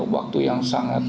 waktu yang sangat